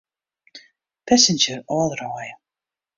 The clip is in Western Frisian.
Passenger ôfdraaie.